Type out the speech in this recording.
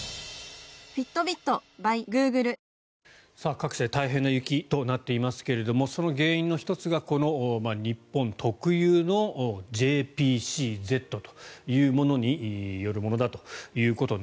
各地で大変な雪となっていますがその原因の１つが日本特有のＪＰＣＺというものによるものだということに